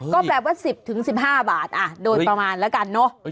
ก็แปลว่า๑๐๑๕บาทโดยประมาณแล้วกันเนอะ